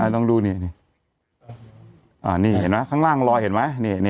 อ่ะลองดูเนี้ยอ่ะนี่เห็นไหมข้างล่างลอยเห็นไหมนี่นี่